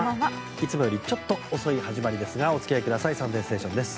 いつもよりちょっと遅い始まりですがお付き合いください「サンデーステーション」です。